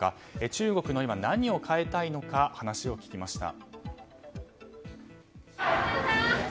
中国の何を変えたいのか話を聞きました。